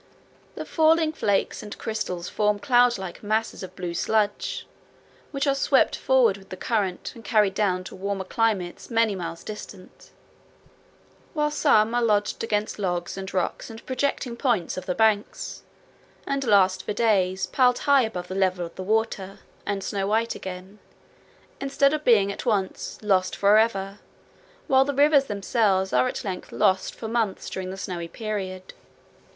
The falling flakes and crystals form, cloud like masses of blue sludge, which are swept forward with the current and carried down to warmer climates many miles distant, while some are lodged against logs and rocks and projecting points of the banks, and last for days, piled high above the level of the water, and show white again, instead of being at once "lost forever," while the rivers themselves are at length lost for months during the snowy period.